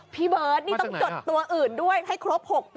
พี่เบิร์ตนี่ต้องจดตัวอื่นด้วยให้ครบ๖ตัว